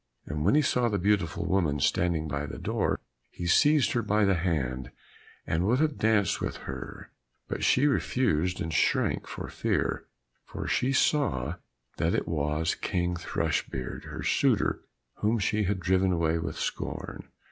And when he saw the beautiful woman standing by the door he seized her by the hand, and would have danced with her; but she refused and shrank with fear, for she saw that it was King Thrushbeard, her suitor whom she had driven away with scorn.